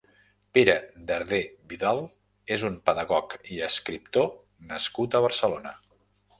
Pere Darder Vidal és un pedagog i escriptor nascut a Barcelona.